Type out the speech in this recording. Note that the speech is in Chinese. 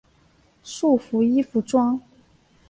束缚衣服装。